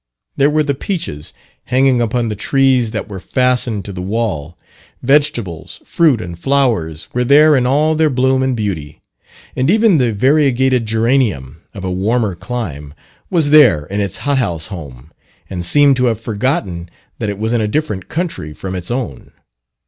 There were the peaches hanging upon the trees that were fastened to the wall; vegetables, fruit, and flowers were there in all their bloom and beauty; and even the variegated geranium of a warmer clime, was there in its hothouse home, and seemed to have forgotten that it was in a different country from its own.